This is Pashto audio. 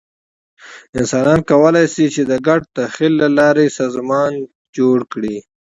انسانان کولی شي، چې د ګډ تخیل له لارې سازمان جوړ کړي.